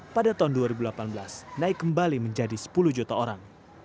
pada tahun dua ribu delapan belas naik kembali menjadi sepuluh juta orang